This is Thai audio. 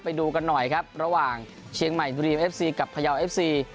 ไปดูกันหน่อยครับระหว่างเชียงใหม่บุรีเอฟซีกับพยาวเอฟซี